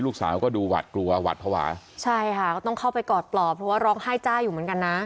ลูกสาวก็ดูหวัดกลัวหวัดภาวะใช่ค่ะก็ต้องเข้าไปกอดปลอบเพราะว่าร้องไห้จ้าอยู่เหมือนกันนะ